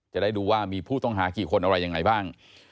จะได้ดูว่ามีผู้ต้องหากี่คนอะไรยังไงบ้าง